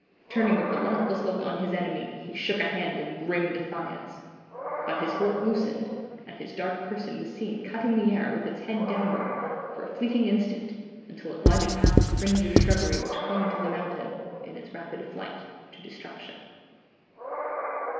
Turning a relentless look on his enemy, he shook a hand in grim defiance. But his hold loosened, and his dark person was seen cutting the air with its head downward, for a fleeting instant, until it glided past the fringe of shrubbery which clung to the mountain, in its rapid flight to destruction.